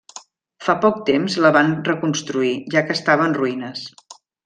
Fa poc temps la van reconstruir, ja que estava en ruïnes.